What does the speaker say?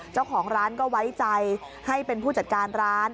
เจ้าของร้านก็ไว้ใจให้เป็นผู้จัดการร้าน